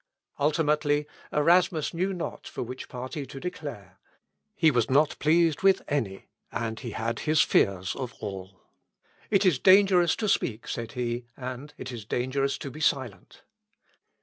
Ultimately, Erasmus knew not for which party to declare. He was not pleased with any, and he had his fears of all. "It is dangerous to speak," said he, "and it is dangerous to be silent."